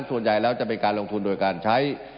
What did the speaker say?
ส่วนใหญ่แล้วจะเป็นการลงทุนโดยการใช้